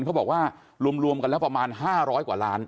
เขาบอกว่ารวมกันแล้วประมาณ๕๐๐กว่าล้าน